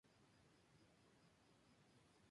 Hitler rechazó la petición una vez más.